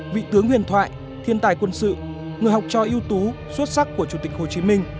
vị tướng huyền thoại thiên tài quân sự người học cho yếu tố xuất sắc của chủ tịch hồ chí minh